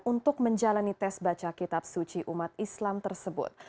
untuk menjalani tes baca kitab suci umat islam tersebut